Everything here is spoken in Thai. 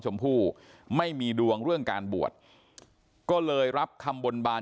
ชมพู่ไม่มีดวงเรื่องการบวชก็เลยรับคำบนบาน